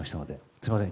すみません